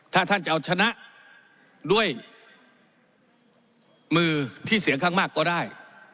ถ้าท่านจะเอาชนะด้วยมือที่เสียงข้างมากก็ได้